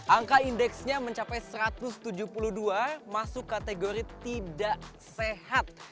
angka indeksnya mencapai satu ratus tujuh puluh dua masuk kategori tidak sehat